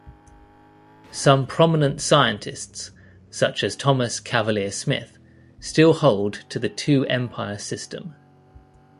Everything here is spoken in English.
Some prominent scientists, such as Thomas Cavalier-Smith, still hold to the two-empire system.